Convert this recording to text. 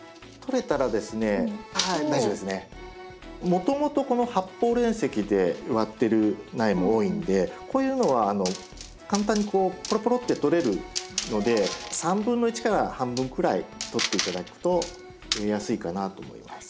もともとこの発泡煉石で植わってる苗も多いのでこういうのは簡単にポロポロって取れるので1/3から半分くらい取って頂くと植えやすいかなと思います。